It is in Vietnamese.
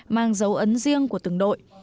mang dấu ấn riêng của từng đội